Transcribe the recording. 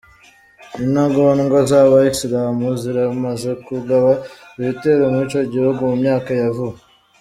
Intagondwa z'aba Islamu ziramaze kugaba ibitero mw'ico gihugu mu myaka ya vuba.